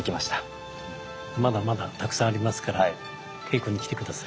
まだまだたくさんありますから稽古に来て下さい。